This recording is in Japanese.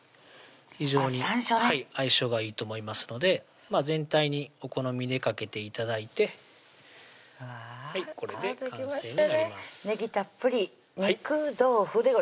非常に相性がいいと思いますので全体にお好みでかけて頂いてこれで完成になります「ねぎたっぷり肉豆腐」です